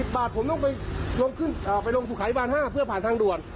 ๔๐บาทผมต้องไปลงสุขายบาน๕เพื่อผ่านทางด่วน